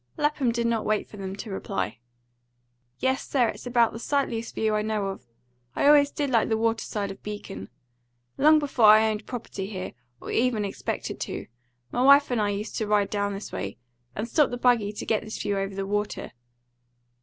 Lapham did not wait for them to reply. "Yes, sir, it's about the sightliest view I know of. I always did like the water side of Beacon. Long before I owned property here, or ever expected to, m'wife and I used to ride down this way, and stop the buggy to get this view over the water.